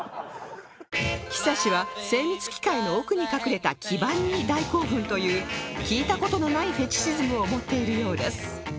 ＨＩＳＡＳＨＩ は精密機械の奥に隠れた基板に大興奮という聞いた事のないフェチシズムを持っているようです